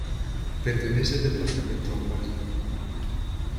Pertenece al departamento homónimo.